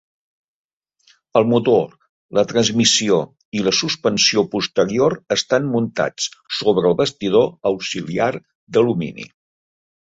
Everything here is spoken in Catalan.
El motor, la transmissió i la suspensió posterior estan muntats sobre el bastidor auxiliar d'alumini.